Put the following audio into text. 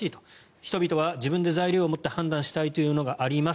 人々は自分で材料を持って判断したいというのがあります。